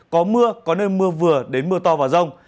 có mưa có nơi mưa vừa đến mưa to và rông